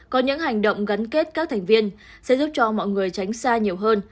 có những hành động gắn kết các thành viên sẽ giúp cho mọi người tránh xa nhiều hơn